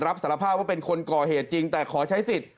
รับสารภาพว่าเป็นคนก่อเหตุจริงแต่ขอใช้สิทธิ์